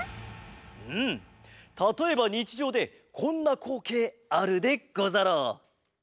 うんたとえばにちじょうでこんなこうけいあるでござろう？